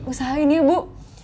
usahain ya bu